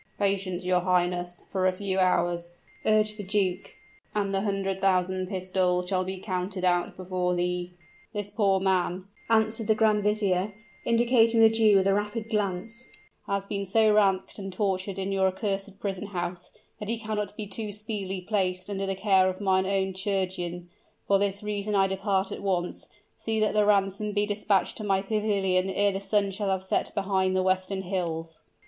"Patience, your highness, for a few hours," urged the duke, "and the hundred thousand pistoles shall be counted out before thee." "This poor man," answered the grand vizier, indicating the Jew with a rapid glance, "has been so racked and tortured in your accursed prison house, that he cannot be too speedily placed under the care of my own chirurgeon. For this reason I depart at once; see that the ransom be dispatched to my pavilion ere the sun shall have set behind the western hills."